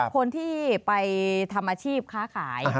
คนที่ไปทำอาชีพค้าขาย